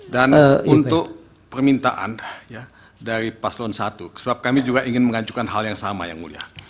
dan untuk permintaan dari paslon satu sebab kami juga ingin mengajukan hal yang sama yang mulia